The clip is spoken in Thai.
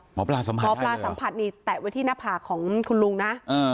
หมอปลาสัมผัสหมอปลาสัมผัสนี่แตะไว้ที่หน้าผากของคุณลุงนะ